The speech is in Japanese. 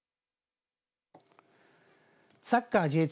サッカーＪ２